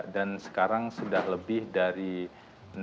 dan sekarang sudah lebih dari enam ratus hari saya kira